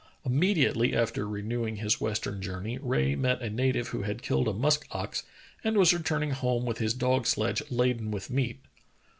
Immediately after renewing his western jour ney, Rae met a native who had killed a musk ox and was returning home with his dog sledge laden with meat.